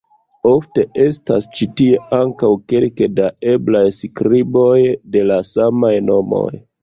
Ofte estas ĉi tie ankaŭ kelke da eblaj skriboj de la samaj nomoj.